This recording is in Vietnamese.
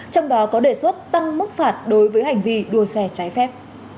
trong đó có đề xuất tăng mức phạt đối với hành vi đua xe trái phép